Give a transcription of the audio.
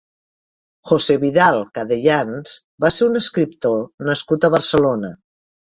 José Vidal Cadellans va ser un escriptor nascut a Barcelona.